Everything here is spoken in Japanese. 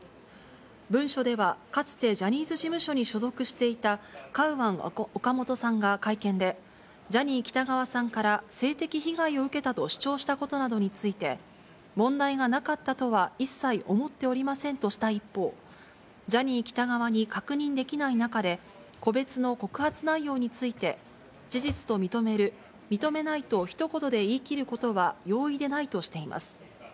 文書では、かつてジャニーズ事務所に所属していたカウアン・オカモトさんが会見で、ジャニー喜多川さんから性的被害を受けたと主張したことなどについて、問題がなかったとは一切思っておりませんとした一方、ジャニー喜多川に確認できない中で、個別の告発内容について、事実と認める、認めないと、ひと言で言い切ることは容易でないとしています。